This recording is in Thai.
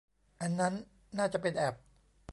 อันนั้นน่าจะเป็นแอป